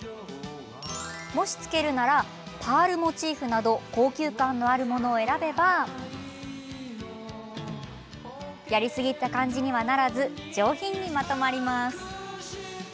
もし、つけるならパールモチーフなど高級感のあるものを選べばやりすぎた感じにはならず上品にまとまります。